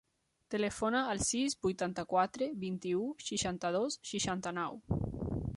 Telefona al sis, vuitanta-quatre, vint-i-u, seixanta-dos, seixanta-nou.